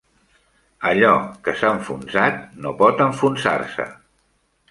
Allò que s'ha enfonsat, no pot enfonsar-se.